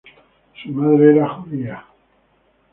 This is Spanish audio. Su madre era judía.